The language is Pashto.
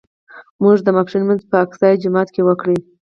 موږ د ماسپښین لمونځ په اقصی جومات کې وکړ.